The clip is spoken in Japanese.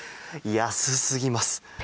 安すぎます！